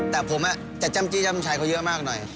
แต่ผมจะจ้ำจี้จ้ำชายเขาเยอะมากหน่อย